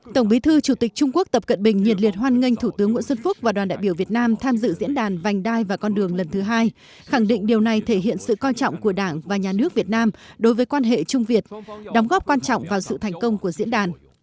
tổng bí thư chủ tịch trung quốc tập cận bình nhiệt liệt hoan nghênh thủ tướng nguyễn xuân phúc và đoàn đại biểu việt nam tham dự diễn đàn vành đai và con đường lần thứ hai khẳng định điều này thể hiện sự coi trọng của đảng và nhà nước việt nam đối với quan hệ trung việt đóng góp quan trọng vào sự thành công của diễn đàn